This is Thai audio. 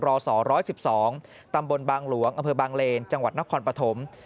ศ๑๑๒ตำบลบางหลวงอำเภอบางเลนจังหวัดนครปฐม